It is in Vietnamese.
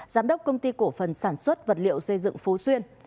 giám đốc công ty cổ phần sản xuất vật liệu xây dựng phú xuyên